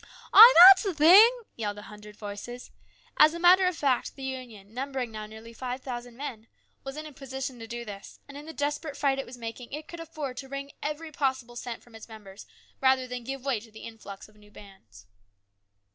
" Ay, that's the thing !" yelled a hundred voices. A? a matter of fact the Union, numbering now nearly AN EXCITING TIME. 117 five thousand men, was in a position to do this, and in the desperate fight it was making it could afford to wring every possible cent from its members rather than give way to the influx of new hands.